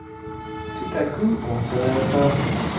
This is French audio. Tout à coup on sonne à la porte.